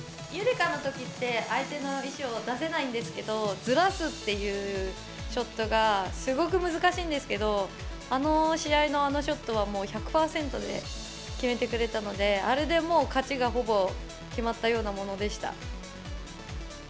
夕梨花のときって、相手の石を出せないんですけど、ずらすっていうショットがすごく難しいんですけど、あの試合のあのショットは、もう１００％で決めてくれたので、あれでもう、勝ちがほぼ決まったようなものでした。